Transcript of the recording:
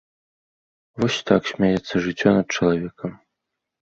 Вось так смяецца жыццё над чалавекам.